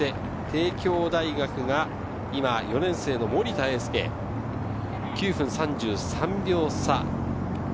帝京大学が４年生・森田瑛介、９分３３秒差。